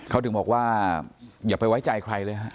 เขาถึงบอกว่าอย่าไปไว้ใจใครเลยฮะ